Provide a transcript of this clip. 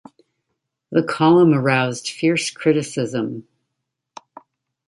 The column aroused fierce criticism.